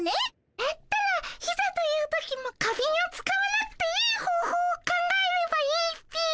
だったらいざという時も花びんを使わなくていいほうほうを考えればいいっピ。